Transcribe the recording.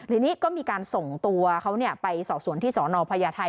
ทีนี้ก็มีการส่งตัวเขาไปสอบสวนที่สนพญาไทย